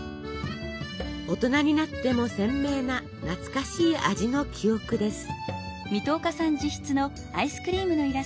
大人になっても鮮明な懐かしい味の記憶です。